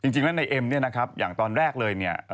จริงแล้วในเอ็มเนี่ยนะครับอย่างตอนแรกเลยเนี่ย